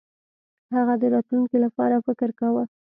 هغه د راتلونکي لپاره فکر کاوه.